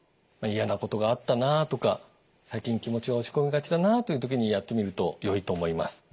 嫌なことがあったなとか最近気持ちが落ち込みがちだなという時にやってみるとよいと思います。